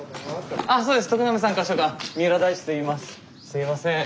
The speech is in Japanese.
すいません。